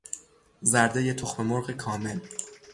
زردهی تخممرغ کامل